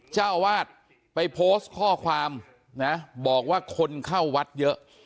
เจ้าวาดไปโพสต์ข้อความนะบอกว่าคนเข้าวัดเยอะ